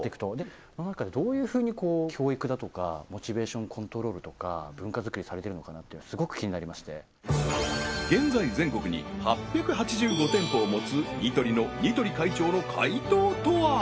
その中でどういうふうに教育だとかモチベーションコントロールとか文化づくりされてるのかなってスゴく気になりまして現在全国に８８５店舗を持つニトリの似鳥会長